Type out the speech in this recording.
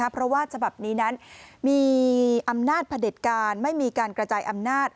เพราะว่าฉบับนี้มีอำนาจผลิตการไม่มีการกระจายอำนาจ